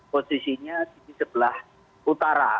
posisinya di sebelah utara